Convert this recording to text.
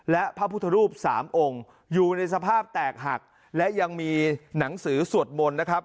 และพระพุทธรูปสามองค์อยู่ในสภาพแตกหักและยังมีหนังสือสวดมนต์นะครับ